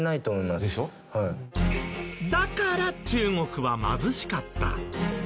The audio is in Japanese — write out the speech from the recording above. だから中国は貧しかった。